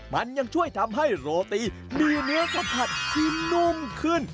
มันยังช่วยทำให้โรตีมีเนื้อสัมผัสที่นุ่มขึ้น